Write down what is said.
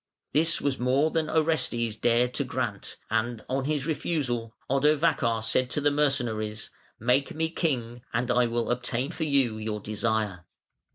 This was more than Orestes dared to grant, and, on his refusal, Odovacar said to the mercenaries: "Make me king and I will obtain for you your desire".